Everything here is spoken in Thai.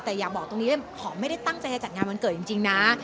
แต่อยากบอกตรงนี้เลยหอมไม่ได้ตั้งใจจะจัดงานวันเกิดจริงนะ